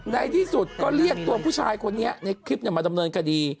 ในที่สุดก็เรียกตัวผู้ชายคนนี้ในคลิปมาดำเนินคดี